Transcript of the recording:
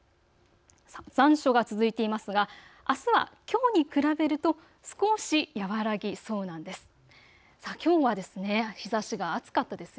残暑が続いていますがあすはきょうに比べると少し和らぎそうなんです。